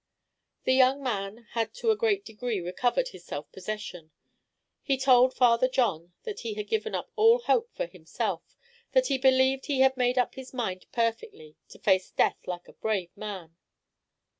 The young man had to a great degree recovered his self possession. He told Father John that he had given up all hope for himself that he believed he had made up his mind perfectly to face death like a brave man.